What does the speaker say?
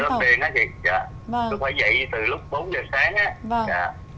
tôi phải dậy từ lúc bốn giờ sáng